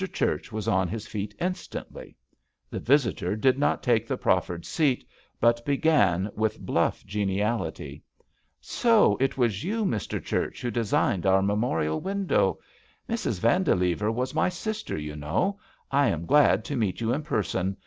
Church was on his feet instantly. The visitor did not take the proffered seat but began with bluff geniality : "So, it was you, Mr. Church, who designed our memorial window I Mrs. Vandilever was my sister, you know — I am glad to meet you in person.